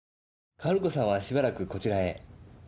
薫子さんはしばらくこちらへ？